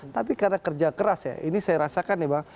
tapi karena kerja keras ya ini saya rasakan ya bang